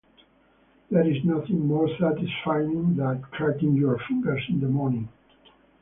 There is nothing more satisfying than cracking your fingers in the morning.